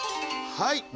はい。